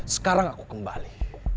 sekarang aku kembali